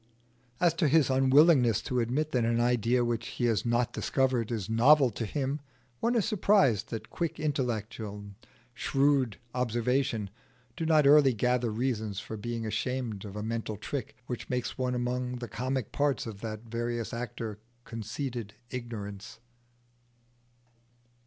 As to his unwillingness to admit that an idea which he has not discovered is novel to him, one is surprised that quick intellect and shrewd observation do not early gather reasons for being ashamed of a mental trick which makes one among the comic parts of that various actor Conceited Ignorance.